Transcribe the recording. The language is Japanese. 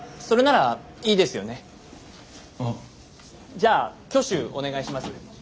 じゃあ挙手お願いします。